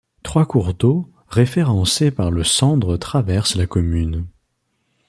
Trois cours d'eau référencés par le Sandre traversent la commune.